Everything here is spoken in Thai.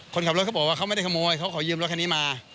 เขาไม่ได้ขโมยเค้าขอยืมรถคันนี้มา